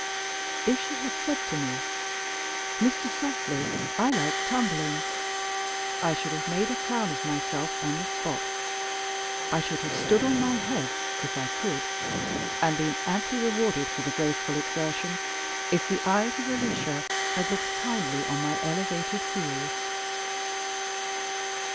If she had said to me, "Mr. Softly, I like tumbling," I should have made a clown of myself on the spot. I should have stood on my head (if I could), and been amply rewarded for the graceful exertion, if the eyes of Alicia had looked kindly on my elevated heels!